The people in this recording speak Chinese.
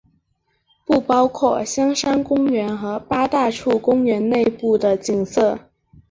不包括香山公园和八大处公园内部的景点。